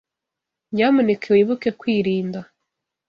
Nyamuneka wibuke kwirinda.